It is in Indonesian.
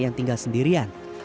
yang tinggal sendirian